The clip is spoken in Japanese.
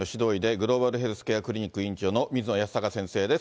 グローバルヘルスケアクリニック院長の水野泰孝先生です。